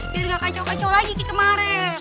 biar gak kacau kacau lagi kita kemareng